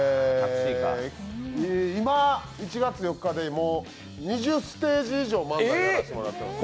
今、１月４日で２０ステージ以上、漫才やらせてもらってます。